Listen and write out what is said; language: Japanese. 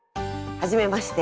はじめまして。